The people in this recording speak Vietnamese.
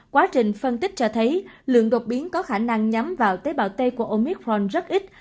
quá trình phân tích cho thấy lượng đột biến có khả năng nhắm vào tế bào tây của omitron rất ít